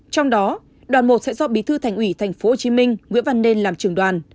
trong đó đoàn một sẽ do bí thư thành ủy tp hcm nguyễn văn nên làm trường đoàn